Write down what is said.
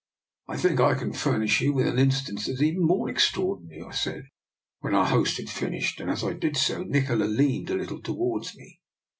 " I think I can furnish you with an in stance that is even more extraordinary," I said, when our host had finished; and as I did so, Nikola leaned a little towards me.